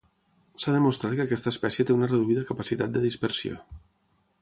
S'ha demostrat que aquesta espècie té una reduïda capacitat de dispersió.